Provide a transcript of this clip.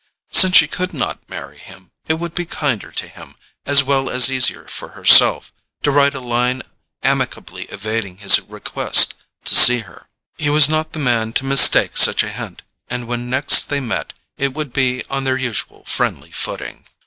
Since she could not marry him, it would be kinder to him, as well as easier for herself, to write a line amicably evading his request to see her: he was not the man to mistake such a hint, and when next they met it would be on their usual friendly footing.